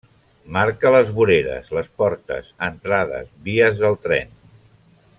Marca les voreres, les portes, entrades, vies del tren.